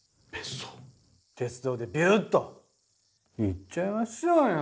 鉄道でビューッと行っちゃいましょうよ。